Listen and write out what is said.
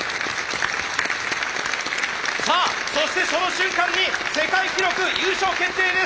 さあそしてその瞬間に世界記録優勝決定です！